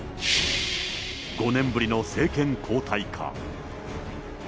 ５年ぶりの政権交代か。